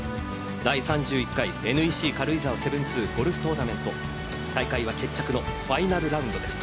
第３１回ＮＥＣ軽井沢７２ゴルフトーナメント大会は決着のファイナルラウンドです。